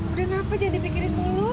udah ngapa jangan dipikirin mulu